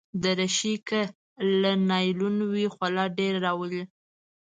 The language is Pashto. دریشي که له نایلون وي، خوله ډېره راولي.